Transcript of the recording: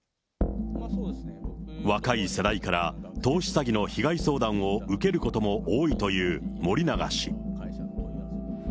若い世代から投資詐欺の被害相談を受けることも多いという森永氏。